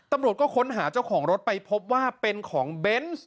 ตำรวจก็ค้นหาเจ้าของรถไปพบว่าเป็นของเบนส์